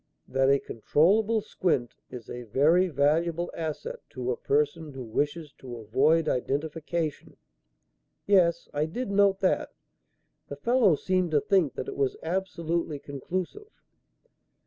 "That a controllable squint is a very valuable asset to a person who wishes to avoid identification." "Yes, I did note that. The fellow seemed to think that it was absolutely conclusive."